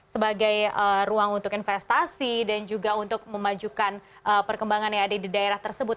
sebagai ruang untuk investasi dan juga untuk memajukan perkembangan yang ada di daerah tersebut